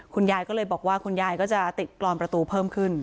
คุณยายก็เลยบอกว่าคุณยายก็จะติดกรอนประตูเพิ่มขึ้น